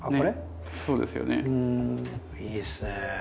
いいっすね。